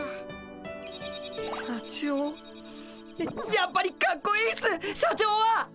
やっぱりかっこいいっす社長は！